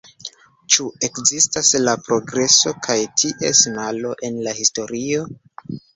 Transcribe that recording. Ĉu ekzistas la progreso kaj ties malo en la historio?